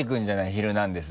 「ヒルナンデス！」